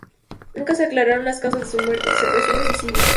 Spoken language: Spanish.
Nunca se aclararon las causas de su muerte, se presume suicidio.